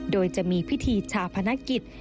โดยจะมีพิธีชาพนักกิจ